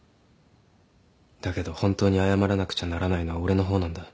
だけど本当に謝らなくちゃならないのは俺の方なんだ。